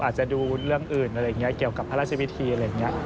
อาจจะดูเรื่องอื่นอะไรอย่างนี้เกี่ยวกับพระราชวิธีอะไรอย่างนี้